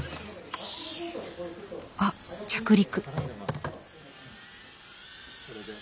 あっ着陸。